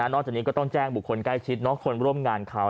จากนี้ก็ต้องแจ้งบุคคลใกล้ชิดคนร่วมงานเขา